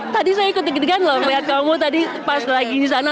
tadi saya ikut digedegan loh melihat kamu tadi pas lagi di sana